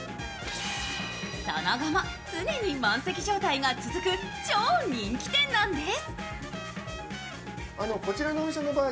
その後も、常に満席状態が続く超人気店なんです。